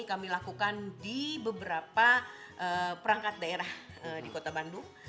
kami lakukan di beberapa perangkat daerah di kota bandung